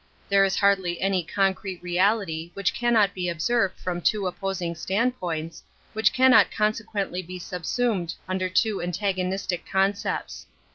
There is hardly any concrete reality which cannot be observed from two opposing standpoints, which can not consequently be subsumed under two y 40 An Introduction to antagonistic concepts.